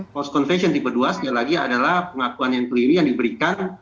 false conviction tipe dua sekali lagi adalah pengakuan keliru yang diberikan